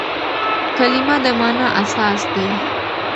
کلیمه د مانا اساس دئ.